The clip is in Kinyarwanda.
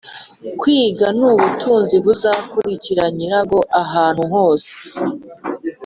kwiga nubutunzi buzakurikira nyirabwo ahantu hose